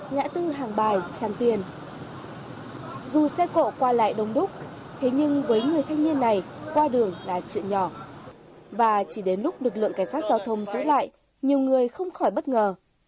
ngã tư hàng bài trà tiền dù xe cộ qua lại đông đúc thế nhưng với người thanh niên này qua đường là chuyện nhỏ và chỉ đến lúc lực lượng cảnh sát giao thông giữ lại nhiều người không khỏi bất ngờ